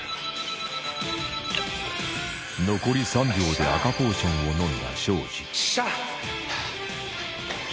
残り３秒で赤ポーションを飲んだ庄司よっしゃ。